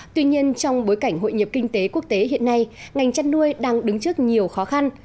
tuy nhiên trong bối cảnh hội nhập kinh tế quốc tế hiện nay ngành chăn nuôi đang đứng trước nhiều khó khăn